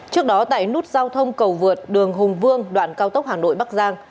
trước đó tại nút giao thông cầu vượt đường hùng vương đoạn cao tốc hà nội bắc giang